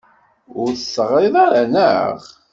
Ur d-teɣriḍ ara, naɣ?